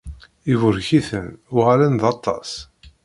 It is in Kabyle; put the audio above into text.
Iburek-iten, uɣalen d aṭas.